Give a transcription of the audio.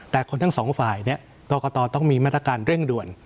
แต่คนทั้งสองฝ่ายกรกตต้องมีมาตรการเร่งด่วน